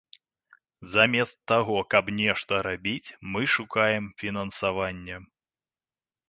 Замест таго, каб нешта рабіць, мы шукаем фінансавання.